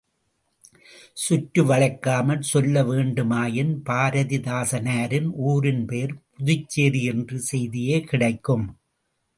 சுற்றி வளைக்காமல் சொல்ல வேண்டுமாயின், பாரதிதாசனாரின் ஊரின் பெயர் புதுச்சேரி என்ற செய்தியே கிடைக்கும்.